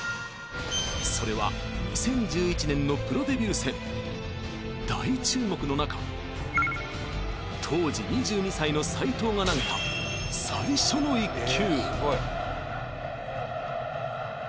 それは２０１１年のプロデビュー戦大注目の中当時２２歳の斎藤が投げた最初の１球